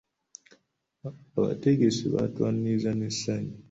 Abategesi baatwaniriza n'essanyu.